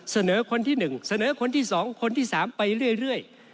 เสนอคนที่๑เสนอคนที่๒คนที่๓ไปเรื่อย